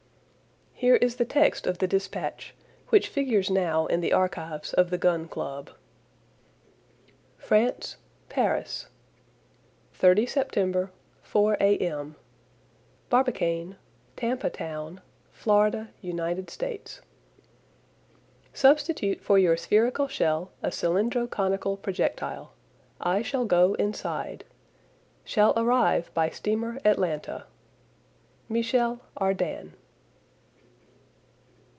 Here is the text of the dispatch, which figures now in the archives of the Gun Club: FRANCE, PARIS, 30 September, 4 A.M. Barbicane, Tampa Town, Florida, United States. Substitute for your spherical shell a cylindro conical projectile. I shall go inside. Shall arrive by steamer Atlanta. MICHEL ARDAN.